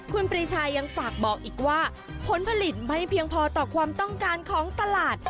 คุณปรีชายังฝากบอกอีกว่าผลผลิตไม่เพียงพอต่อความต้องการของตลาด